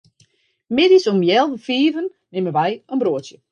Middeis om healwei fiven nimme wy in broadsje.